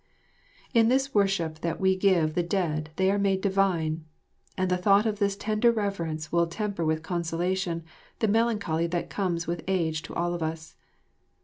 "In this worship that we give the dead they are made divine. And the thought of this tender reverence will temper with consolation the melancholy that comes with age to all of us.